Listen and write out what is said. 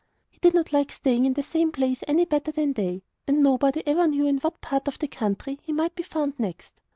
He did not like staying in the same place any better than they, and nobody ever knew in what part of the country he might be found next.